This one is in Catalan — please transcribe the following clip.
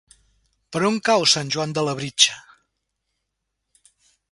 Per on cau Sant Joan de Labritja?